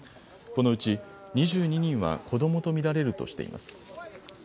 このうち２２人は子どもと見られるとしています。